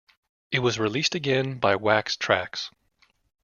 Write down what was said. It was released again by Wax Trax!